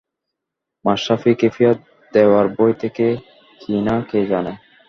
মাশরাফি খেপিয়ে দেওয়ার ভয় থেকেই কি না, কে জানে